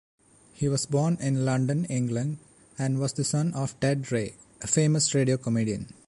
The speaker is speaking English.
He was born in London, England and was the son of Ted Ray, a famous radio comedian.